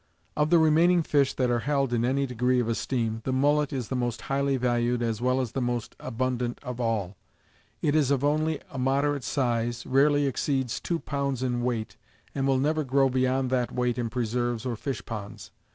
I. Of the remaining fish that are held in any degree of esteem, the mullet ^^ is the most highly valued, as well as the most abundant of all ; it is of only a moderate size, rarely exceeds two pounds in weight, and will never grow beyond that weight in preserves or fish ponds.